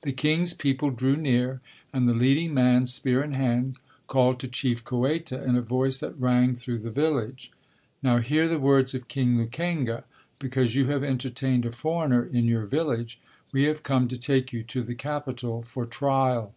The king's people drew near and the leading man, spear in hand, called to Chief Kueta in a voice that rang through the village: "Now hear the words of King Lukenga: Because you have entertained a foreigner in your village, we have come to take you to the capital for trial."